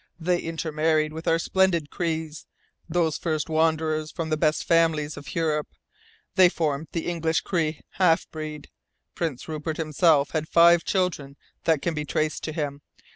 They intermarried with our splendid Crees those first wanderers from the best families of Europe. They formed the English Cree half breed. Prince Rupert himself had five children that can be traced to him.